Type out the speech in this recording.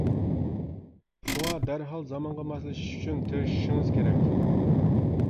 شۇڭا دەرھال زامانغا ماسلىشىش ئۈچۈن تىرىشىشىڭىز كېرەك.